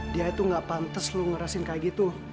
dia tuh gak pantes lo ngerasin kayak gitu